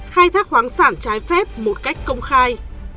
khai thác khoáng sản trái phép một cách công khai